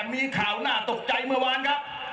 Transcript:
มีข่าวน่าตกใจเมื่อวานครับ